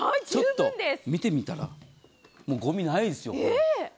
ちょっと見てみたら、もう、ごみないですよ。